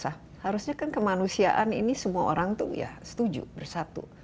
harusnya kan kemanusiaan ini semua orang setuju bersatu